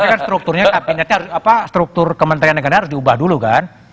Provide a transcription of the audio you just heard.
tapi kan strukturnya kabinetnya apa struktur kementerian negara harus diubah dulu kan